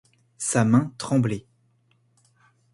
Sa main tremblait.